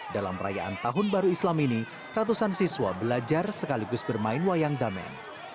dalam perayaan tahun baru islam ini ratusan siswa belajar sekaligus bermain wayang damen